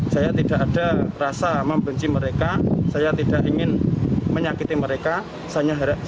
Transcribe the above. saya tidak ada rasa membenci mereka saya tidak ingin menyakiti mereka